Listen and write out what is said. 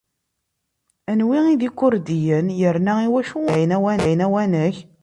Anwi d Ikurdiyen, yerna iwacu ur εad sεin awanek?